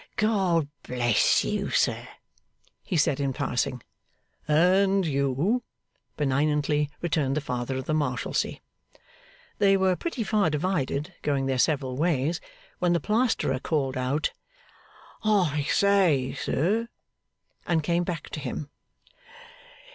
'God bless you, sir,' he said in passing. 'And you,' benignantly returned the Father of the Marshalsea. They were pretty far divided, going their several ways, when the Plasterer called out, 'I say! sir!' and came back to him.